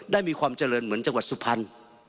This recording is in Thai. มีความเจริญเหมือนจังหวัดสุพรรณ